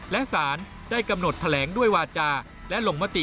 และสารได้กำหนดแถลงด้วยวาจาและลงมติ